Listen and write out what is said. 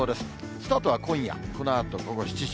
スタートは今夜、このあと午後７時。